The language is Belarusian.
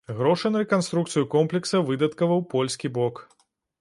Грошы на рэканструкцыю комплекса выдаткаваў польскі бок.